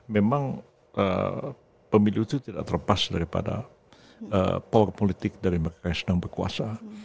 memang pemilu itu tidak terlepas daripada power politik dari mereka yang sedang berkuasa